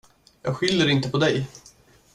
Jag skyller inte på dig.